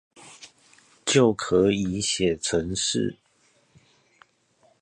就可以寫程式